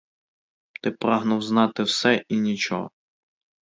Ти прагнув знати все і нічого.